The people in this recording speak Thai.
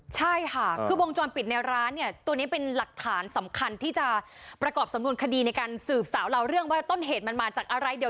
ใช่ค่ะคือวงจรปิดในร้านเนี่ยตัวนี้เป็นหลักฐานสำคัญที่จะประกอบสำนวนคดีในการสืบสาวเราเรื่องว่าต้นเหตุมันมาจากอะไรเดี๋ยว